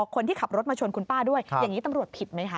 คนที่ขับรถมาชนคุณป้าด้วยอย่างนี้ตำรวจผิดไหมคะ